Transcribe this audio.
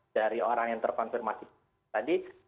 dari orang yang terkonfirmasi tadi